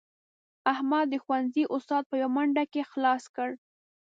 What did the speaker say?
احمد د ښوونځي اسناد په یوه منډه کې خلاص کړل.